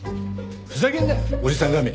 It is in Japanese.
ふざけんなおじさん亀！